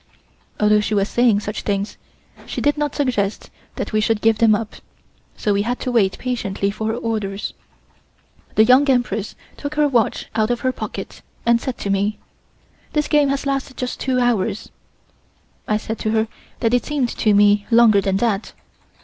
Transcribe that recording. Although she was saying such things she did not suggest that we should give them up, so we had to wait patiently for her orders. The Young Empress took her watch out of her pocket, and said to me: "This game has lasted just two hours." I said to her that it seemed to me longer than that.